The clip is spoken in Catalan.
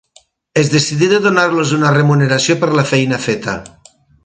Es decidí de donar-los una remuneració per la feina feta.